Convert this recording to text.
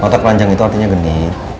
mata keranjang itu artinya genit